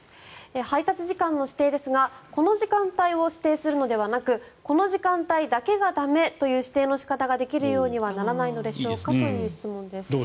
配達時間の指定ですがこの時間帯を指定するのではなくこの時間帯だけが駄目という指定の仕方ができるようにはならないのでしょうかという質問です。